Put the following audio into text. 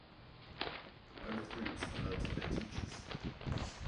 Both groups alerted their teachers.